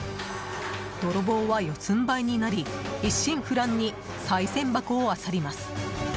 泥棒は、四つんばいになり一心不乱にさい銭箱をあさります。